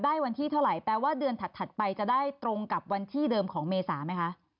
วันที่เท่าไหร่แปลว่าเดือนถัดไปจะได้ตรงกับวันที่เดิมของเมษาไหมคะ